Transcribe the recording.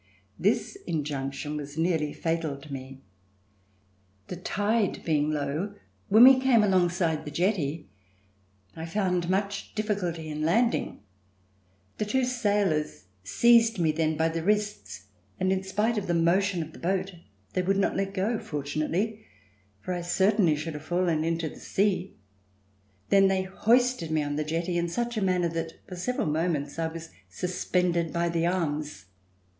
This injunction was nearly fatal to me. The tide being low, when we came alongside the jetty, I found much difficulty in land ing. The two sailors seized me then by the wrists and, in spite of the motion of the boat, they would not let go, fortunately, for I certainly should have fallen into the sea. Then they hoisted me on the jetty in such a manner that for several moments I was suspended by the arms.